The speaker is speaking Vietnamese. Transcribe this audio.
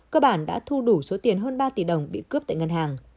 cơ bản đã thu đủ số tiền hơn ba tỷ đồng bị cướp tại ngân hàng